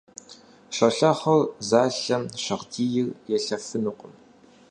Щолэхъур зэлъэм шагъдийр елъэфынукъым.